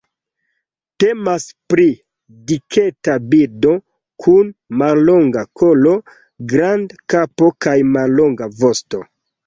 Temas pri diketa birdo, kun mallonga kolo, granda kapo kaj mallonga vosto.